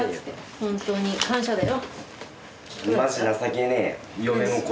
本当に感謝だよ。